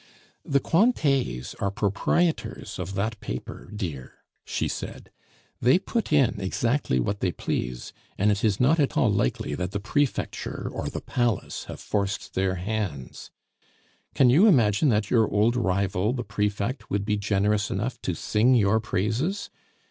"The Cointets are proprietors of that paper, dear," she said; "they put in exactly what they please, and it is not at all likely that the prefecture or the palace have forced their hands. Can you imagine that your old rival the prefect would be generous enough to sing your praises?